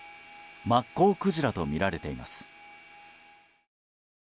マッコウクジラとみられています。